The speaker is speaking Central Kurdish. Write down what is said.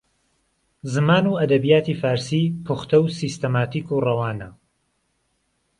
زمان و ئەدەبیاتی فارسی پوختە و سیستەماتیک و ڕەوانە